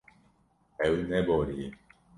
Ew neboriye.